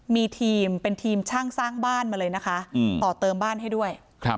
มีทีมเป็นทีมช่างสร้างบ้านมาเลยนะคะต่อเติมบ้านให้ด้วย